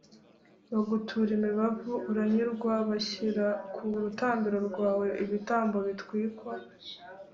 bagutura imibavu, uranyurwa, bagashyira ku rutambiro rwawe ibitambo bitwikwa.